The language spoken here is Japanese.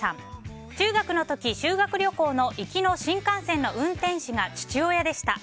中学の時、修学旅行の行きの新幹線の運転士が父親でした。